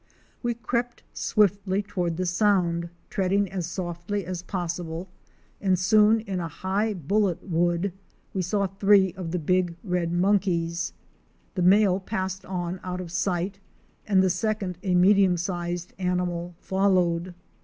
We crept swiftly toward the sound, treading as softly as possible and soon, in a high bulletwood, we saw three of the big red monkeys. The male passed on out of sight, and the second, a medium sized animal, followed.